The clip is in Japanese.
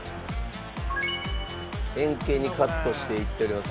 円形にカットしていっております。